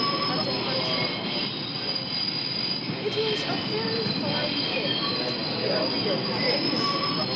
A DEPARTURE It is a very fine thing to be a real Prince.